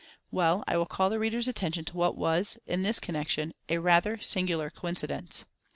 Well, I will call the reader's attention to what was, in this connection, a rather singular coincidence.